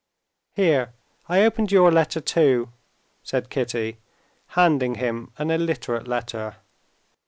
"Here, I opened your letter too," said Kitty, handing him an illiterate letter.